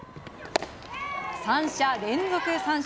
３者連続三振。